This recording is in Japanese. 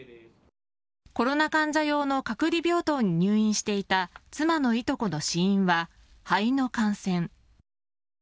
コロナ患者用の隔離病棟に入院していた妻のいとこの死因は肺の感染。